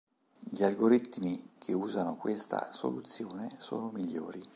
Gli algoritmi che usano questa soluzione sono migliori.